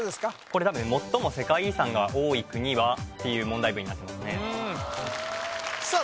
これ多分「最も世界遺産が多い国は？」っていう問題文になってますねさあ